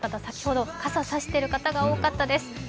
先ほど傘を差している方が多かったです。